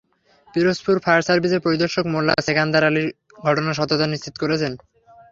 Pirojpur fire সার্ভিসের পরিদর্শক মোল্লা সেকান্দার আলী ঘটনার সত্যতা নিশ্চিত করেছেন।